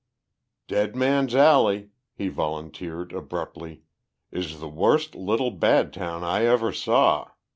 "Dead Man's Alley," he volunteered abruptly, "is the worst little bad town I ever saw.